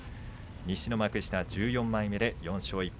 西の幕下１４枚目で４勝１敗。